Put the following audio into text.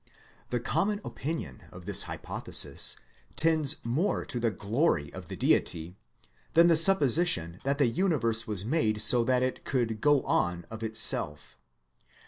The common opinion is that this hypothesis tends more to the glory of the Deity than the supposition that the universe was made so that it could go on of itself.